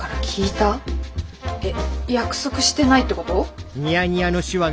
えっ約束してないってこと？